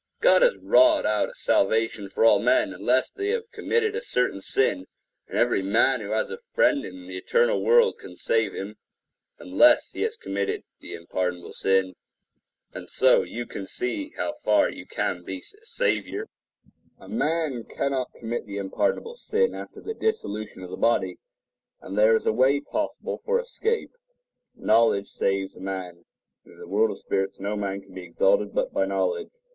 God has wrought out a salvation for all men, unless they have committed a certain sin; and every man who has a friend in the eternal world can save him, unless he has committed the unpardonable sin. And so you can see how far you can be a savior. The Unpardonable Sin[edit] A man cannot commit the unpardonable sin after the dissolution of the body, and there is a way possible for escape. Knowledge saves a man; and in the world of spirits no man can be exalted but by knowledge.